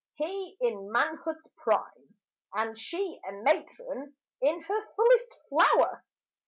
He in manhood's prime And she a matron in her fullest flower.